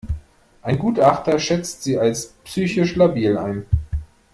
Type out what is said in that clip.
Ein Gutachter schätzt sie als psychisch labil ein.